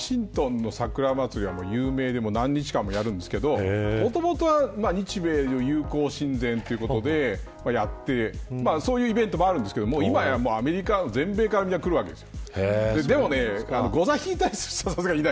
特にワシントンの桜祭りは有名で何日間もやるんですけどもともとは日米友好親善ということでやってそういうイベントもあるんですけど今やアメリカの全米から皆来るわけです。